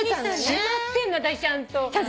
しまってんの私ちゃんと。